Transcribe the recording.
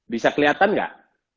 bisa keliatan gak